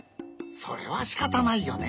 それはしかたないよね。